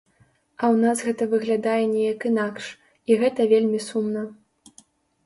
А ў нас гэта выглядае неяк інакш, і гэта вельмі сумна.